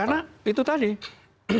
karena itu tadi